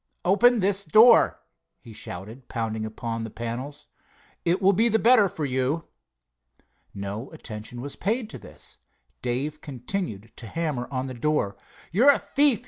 "Open this door!" he shouted, pounding upon the panels. "It will be the better for you." No attention was paid to this. Dave continued to hammer on the door. "You're a thief!"